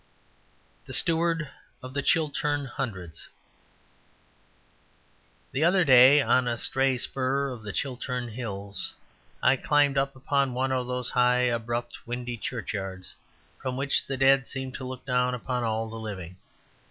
The Steward of the Chiltern Hundreds The other day on a stray spur of the Chiltern Hills I climbed up upon one of those high, abrupt, windy churchyards from which the dead seem to look down upon all the living.